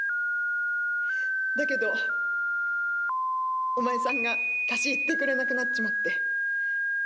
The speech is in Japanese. だけどお前さんが河岸行ってくれなくなっちまって。